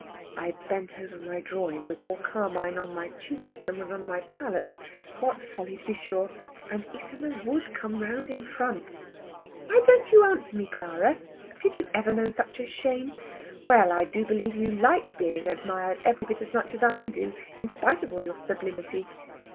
I bent over my drawing with more carmine on my cheeks than was on the palette. What folly to be sure! And Isola would come round in front. "Why don't you answer me, Clara? Did you ever know such a shame? Well, I do believe you like being admired every bit as much as I do, in spite of all your sublimity.